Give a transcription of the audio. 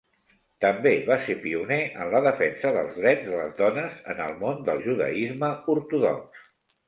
També va ser pioner en la defensa dels drets de les dones en el món del judaisme ortodox.